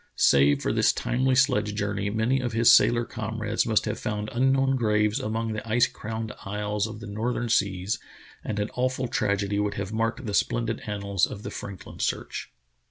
Save for this timely sledge journey, many of his sailor com rades must have found unknown graves among the ice crowned isles of the northern seas, and an awful tragedy would have marked the splendid annals of the Franklin search.